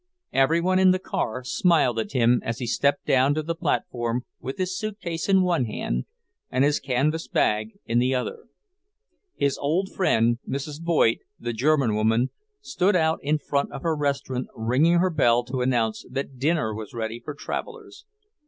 Every one in the car smiled at him as he stepped down to the platform with his suitcase in one hand and his canvas bag in the other. His old friend, Mrs. Voigt, the German woman, stood out in front of her restaurant, ringing her bell to announce that dinner was ready for travellers.